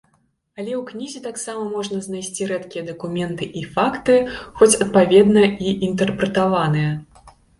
Але ў кнізе таксама можна знайсці рэдкія дакументы і факты, хоць адпаведна і інтэрпрэтаваныя.